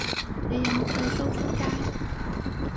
你有冇剃鬚出街